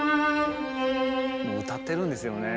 歌ってるんですよね。